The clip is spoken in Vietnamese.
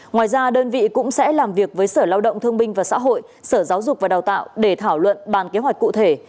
ngoài ra đơn vị cũng sẽ làm việc với sở lao động thương binh và xã hội sở giáo dục và đào tạo để thảo luận bàn kế hoạch cụ thể